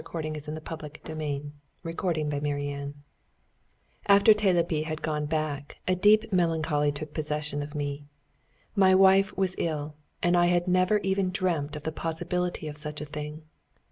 CHAPTER XII THE MEETING AT THE PAGAN ALTAR After Telepi had gone back, a deep melancholy took possession of me. My wife was ill, and I had never even dreamt of the possibility of such a thing.